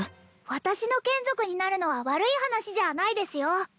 私の眷属になるのは悪い話じゃないですよ